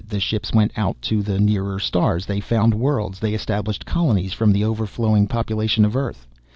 The ships went out to the nearer stars. They found worlds. They established colonies from the overflowing population of Earth.